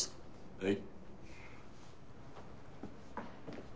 はい。